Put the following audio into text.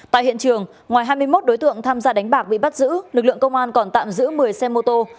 tại hiện trường ngoài hai mươi một đối tượng tham gia đánh bạc bị bắt giữ lực lượng công an còn tạm giữ một mươi xe mô tô